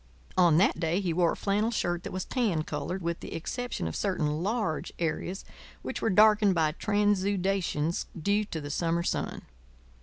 On that day he wore a flannel shirt that was tan coloured, with the exception of certain large areas which were darkened by transudations due to the summer sun.